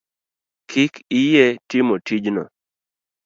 Kik iyie timo tijno?